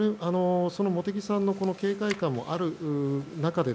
茂木さんの警戒感もある中で